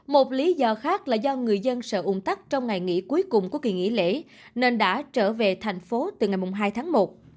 một lý do khác là do người dân sợ ung tắc trong ngày nghỉ cuối cùng của kỳ nghỉ lễ nên đã trở về thành phố từ ngày hai tháng một